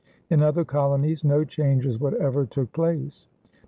In other colonies no changes whatever took place.